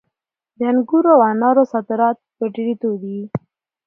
د انګورو او انارو صادرات په ډېرېدو دي.